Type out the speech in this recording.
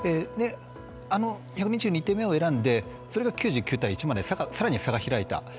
あの１２２手目を選んでそれが９９対１までさらに差が開いた。